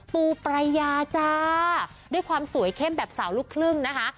ปูปรายาจ้าด้วยความสวยเข้มแบบสาวลูกครึ่งนะคะ